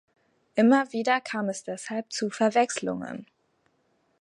Immer wieder kam es deshalb zu Verwechslungen.